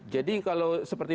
jadi kalau seperti